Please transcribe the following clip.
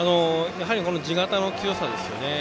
地肩の強さですよね。